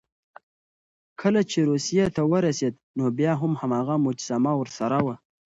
هغه کله چې روسيې ته ورسېد، نو بیا هم هماغه مجسمه ورسره وه.